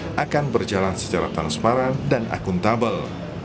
pemerintah akan berjalan secara transparan dan akuntabel